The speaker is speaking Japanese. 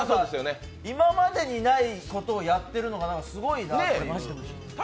今までにないことをやっているのがすごいなって。